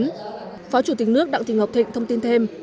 phát biểu với cử tri phó chủ tịch nước đặng thị ngọc thịnh thông tin thêm